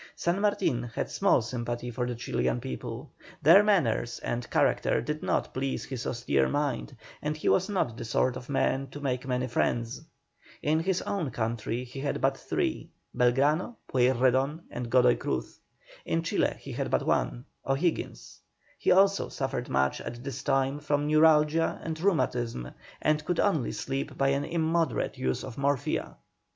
San Martin had small sympathy for the Chilian people; their manners and character did not please his austere mind, and he was not the sort of man to make many friends. In his own country he had but three, Belgrano, Pueyrredon, and Godoy Cruz; in Chile he had but one, O'Higgins. He also suffered much at this time from neuralgia and rheumatism, and could only sleep by an immoderate use of morphia.